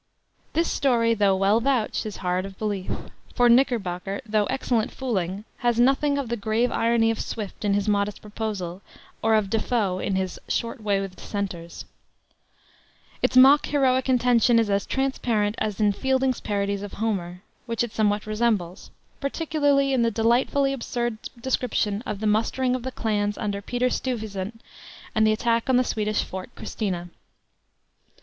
This story, though well vouched, is hard of belief: for Knickerbocker, though excellent fooling, has nothing of the grave irony of Swift in his Modest Proposal or of Defoe in his Short Way with Dissenters. Its mock heroic intention is as transparent as in Fielding's parodies of Homer, which it somewhat resembles, particularly in the delightfully absurd description of the mustering of the clans under Peter Stuyvesant and the attack on the Swedish Fort Christina.